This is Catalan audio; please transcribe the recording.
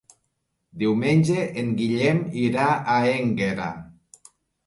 Diumenge en Guillem irà a Énguera.